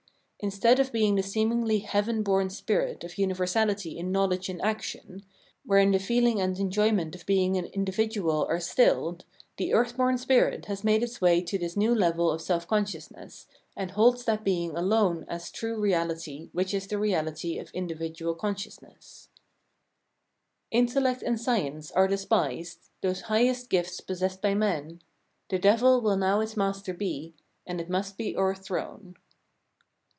Instead of being the seemingly heaven born spirit of universality in knowledge and action, wherein the feeling and enjoyment of being an individual are stilled, the earth born spirit has made its way to this new level of seLf consciousness, and holds that being alone as true reality which is the reality of individual consciousness. 350 Pleasure and Necessity 351 Intellect and science are despised, Those highest gifts possessed by men — The devil will now its master be, And it must be o'erthrown.